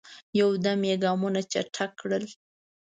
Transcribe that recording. یو دم یې ګامونه چټک کړل.